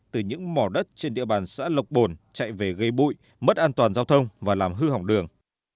từ những mỏ đất trên địa bàn xã lộc bồn chạy về gây bụi mất an toàn giao thông và làm hư hỏng đường